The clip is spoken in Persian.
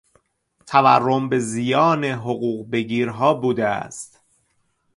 تورم به زیان حقوق بگیرها بوده است.